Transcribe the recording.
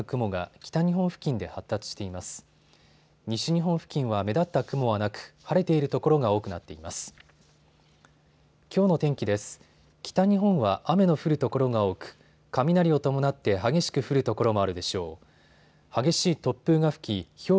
北日本は雨の降る所が多く、雷を伴って激しく降る所もあるでしょう。